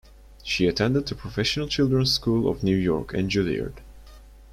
She attended the Professional Children's School of New York and Juilliard.